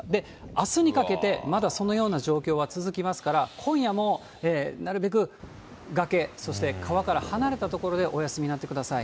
あすにかけてまだそのような状況は続きますから、今夜もなるべく崖、そして川から離れた所でお休みになってください。